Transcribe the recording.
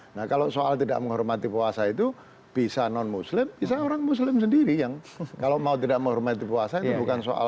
nah kalau soal tidak menghormati puasa itu bisa non muslim bisa orang muslim sendiri yang kalau mau tidak menghormati puasa itu bukan soal